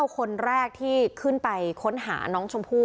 คนแรกที่ขึ้นไปค้นหาน้องชมพู่